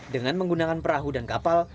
dengan menggunakan perahu dan kapal